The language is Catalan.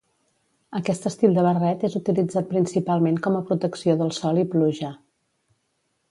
Aquest estil de barret és utilitzat principalment com a protecció del sol i pluja.